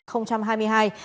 chủ ở hà nội